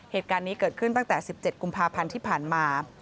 เหตุการณ์นี้เกิดขึ้นตั้งแต่๑๗กุมภาพันธ์ที่ผ่านมา